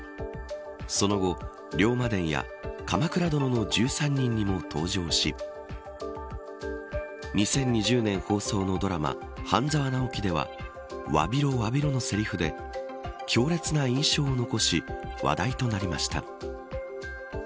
その後、龍馬伝や鎌倉殿の１３人にも登場し２０２０年放送のドラマ半沢直樹ではわびろ、わびろのせりふで強烈な印象を残し話題となりました。